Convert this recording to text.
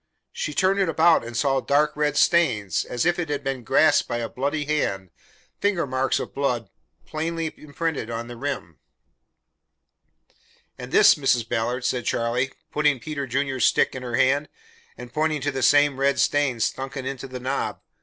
She turned it about and saw dark red stains, as if it had been grasped by a bloody hand finger marks of blood plainly imprinted on the rim. "And this, Mrs. Ballard," said Charlie, putting Peter Junior's stick in her hand, and pointing to the same red stains sunken into the knob.